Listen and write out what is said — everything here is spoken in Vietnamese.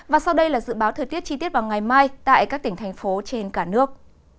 và sau đây là dự báo thời tiết chi tiết vào ngày mai tại các tỉnh thành phố trên cả nước